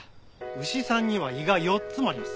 牛さんには胃が４つもあります。